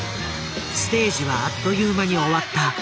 ステージはあっという間に終わった。